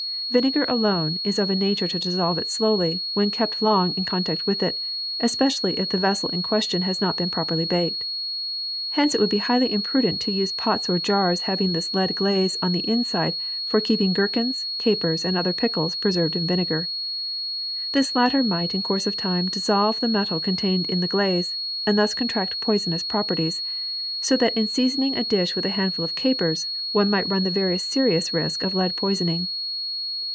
Vinegar alone is of a nature to dissolve it slowly when kept long in contact with it, especially if the vessel in question has not been properly baked. Hence it would be highly imprudent to use pots or jars having this lead glaze on the inside for keeping gherkins, capers, and other pickles preserved in vinegar. This latter might in course of time dissolve the metal contained in the glaze and thus contract poisonous properties, so that in seasoning a dish with a handful of capers one might ru»n the very serious risk of lead poisoning.